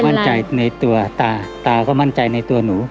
มั่นใจในตัวตาตาก็มั่นใจในตัวหนู